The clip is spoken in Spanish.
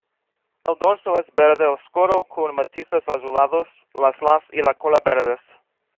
El dorso es verde oscuro con matices azulados, las las y la cola verdes.